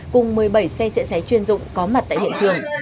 cùng một mươi bảy xe chữa cháy chuyên dụng có mặt tại hiện trường